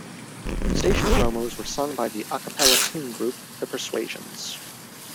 Station promos were sung by the "a cappella" singing group The Persuasions.